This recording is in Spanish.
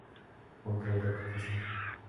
Contra el raquitismo.